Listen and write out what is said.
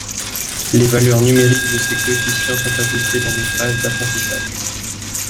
Les valeurs numériques de ces coefficients sont ajustées dans une phase d'apprentissage.